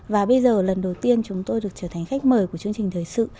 và bây giờ lần đầu tiên chúng tôi được trở thành khách mời của chương trình thời sự